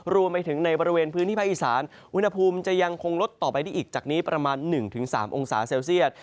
รวมไปถึงในบริเวณพื้นที่ภาคอีสานอุณหภูมิจะยังคงลดต่อไปได้อีกจากนี้ประมาณ๑๓องศาเซลเซียต